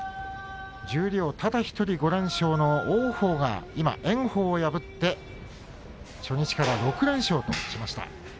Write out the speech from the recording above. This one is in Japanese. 十両ただ１人、５連勝の王鵬が今、炎鵬を破って初日から６連勝としました。